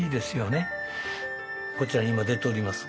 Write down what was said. こちらに今出ております